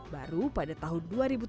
baru pada tahun dua ribu tujuh belas